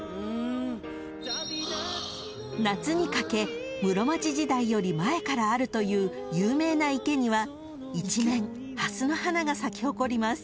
［夏にかけ室町時代より前からあるという有名な池には一面ハスの花が咲き誇ります］